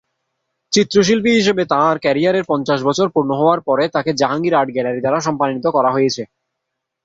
চিত্রশিল্পী হিসাবে তাঁর ক্যারিয়ারের পঞ্চাশ বছর পূর্ণ হওয়ার পরে, তাকে জাহাঙ্গীর আর্ট গ্যালারী দ্বারা সম্মানিত করা হয়েছিল।